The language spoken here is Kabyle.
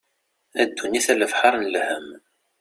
A ddunit a lebḥer n lhem.